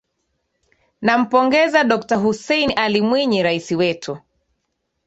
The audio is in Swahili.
Nampongeza Dokta Hussein Ali Mwinyi Rais wetu